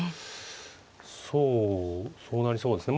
そうそうなりそうですね。